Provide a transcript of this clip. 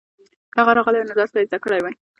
که هغه راغلی وای نو درس به یې زده کړی وای.